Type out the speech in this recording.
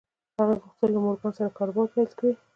هغه غوښتل له مورګان سره کاروبار پیل کړي